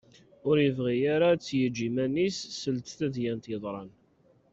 Ur yebɣi ara ad t-yeǧǧ iman-is seld tadyant yeḍran.